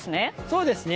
そうですね。